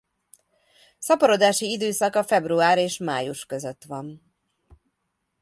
Szaporodási időszaka február és május között van.